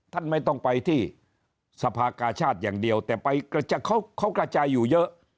ท่านไม่ต้องไปที่สภากาชาติอย่างเดียวแต่ไปเขากระจายอยู่เยอะ